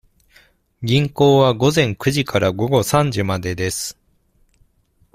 銀行は午前九時から午後三時までです。